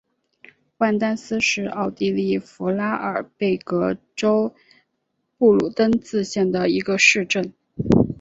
万丹斯是奥地利福拉尔贝格州布卢登茨县的一个市镇。